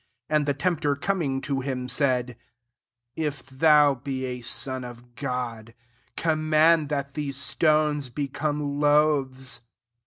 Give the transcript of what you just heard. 3 And the tempter coming to him, said, •* If thou be a son of God, command that these stones become loaves."